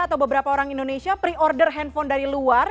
atau beberapa orang indonesia pre order handphone dari luar